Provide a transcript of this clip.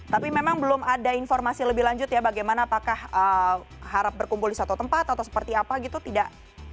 tapi memang belum ada informasi lebih lanjut ya bagaimana apakah harap berkumpul di satu tempat atau seperti apa gitu tidak